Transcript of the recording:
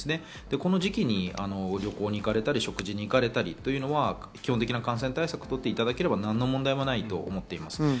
この時期旅行に行かれたり、食事に行かれたり、基本的な対策を取っていただければ何の問題もないと思います。